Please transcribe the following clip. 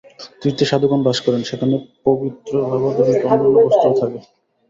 তীর্থে সাধুগণ বাস করেন, সেখানে পবিত্রভাবোদ্দীপক অন্যান্য বস্তুও থাকে।